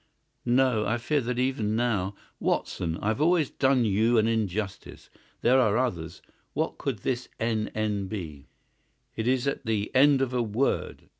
"No, I fear that even now——" "Watson, I have always done you an injustice. There are others. What could this NN be? It is at the end of a word.